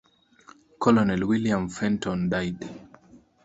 Colonel William Fenton died.